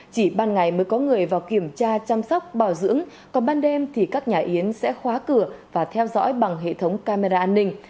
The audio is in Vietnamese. chỉ ban ngày mới có người vào kiểm tra chăm sóc bảo dưỡng còn ban đêm thì các nhà yến sẽ khóa cửa và theo dõi bằng hệ thống camera an ninh